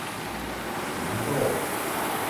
飯盒